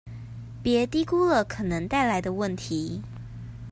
別低估了可能帶來的問題